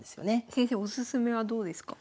先生おすすめはどうですか？